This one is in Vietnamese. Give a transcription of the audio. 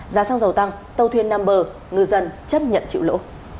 giá xăng dầu tăng tàu thuyền nằm bờ ngư dân chấp nhận chịu lỗ